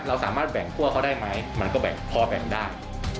เราสามารถแบ่งพวกเขาได้ไหมมันก็แบ่งพอแบ่งได้